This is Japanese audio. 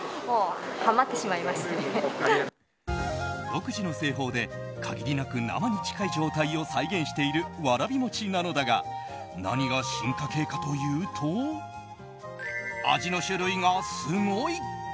独自の製法で限りなく生に近い状態を再現しているわらび餅なのだが何が進化系かというと味の種類がすごい。